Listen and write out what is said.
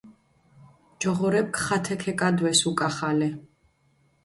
ჯოღორეფქ ხათე ქეკადვეს უკახალე.